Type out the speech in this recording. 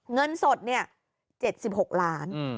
เงินสดเนี่ย๗๖ล้าน